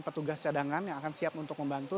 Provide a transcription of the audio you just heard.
petugas cadangan yang akan siap untuk membantu